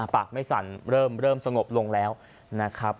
ปากไม่สั่นเริ่มสงบลงแล้วนะครับ